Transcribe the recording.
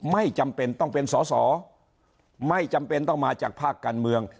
ไม่จำเป็นต้องเป็นสอสอไม่จำเป็นต้องมาจากภาคการเมือง